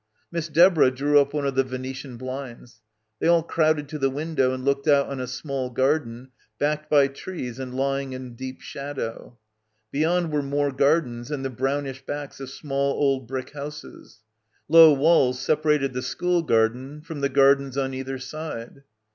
Miss Deborah drew up one of the Venetian blinds. They all crowded to the window and looked out on a small garden backed by trees and lying in deep shadow. Beyond were more gardens and the brownish backs of small old brick houses. Low walls separated the school garden from the gardens on either side.